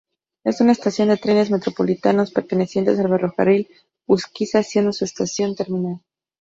Es una estación de trenes metropolitanos perteneciente al Ferrocarril Urquiza siendo su estación terminal.